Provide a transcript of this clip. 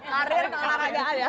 karir keolahragaan ya